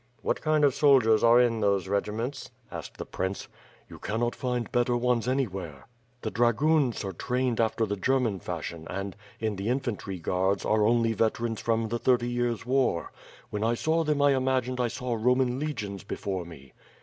"What kind of soldiers are in those regiments?" asked the prince. "You cannot find better ones anywhere? The dragoons are trained after the German fashion and, in the infantry guards, are only veterans from the Thirty Years' War. When I saw them I imagined I saw Roman legions before me."